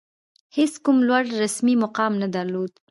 هېڅ کوم لوړ رسمي مقام نه درلود.